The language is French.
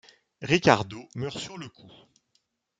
Ricardo meurt sur le coup.